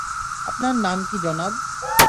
আপনার নাম কী, জনাব?